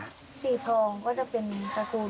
สีทองก็จะเป็นสกุลวิรุณปัก